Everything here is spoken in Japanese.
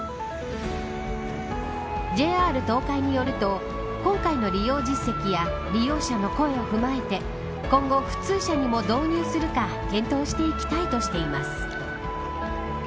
ＪＲ東海によると今回の利用実績や利用者の声を踏まえて今後、普通車にも導入するか検討していきたいとしています。